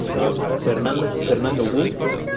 Fernando, Fernando Who?